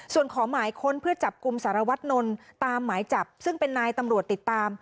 ส่วนขอหมายค้นเพื่อจับกลุ่มสารวัตนนท์ตามหมายจับซึ่งเป็นนายตำรวจติดตาม